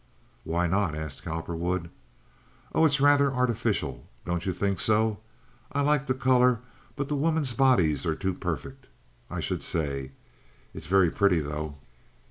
"Why not?" asked Cowperwood. "Oh, it's rather artificial; don't you think so? I like the color, but the women's bodies are too perfect, I should say. It's very pretty, though."